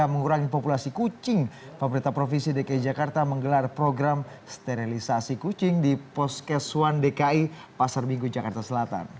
mengurangi populasi kucing pemerintah provinsi dki jakarta menggelar program sterilisasi kucing di poskesuhan dki pasar minggu jakarta selatan